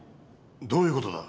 どういうことだ？